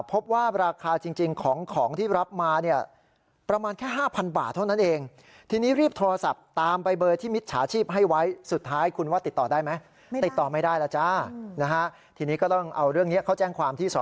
พบว่าราคาจริงของของที่รับมาเนี่ยประมาณแค่๕๐๐บาทเท่านั้นเอง